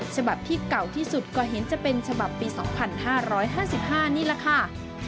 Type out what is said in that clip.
ฉบับที่เก่าที่สุดก็เห็นจะเป็นฉบับปี๒๕๕๕นี่แหละค่ะ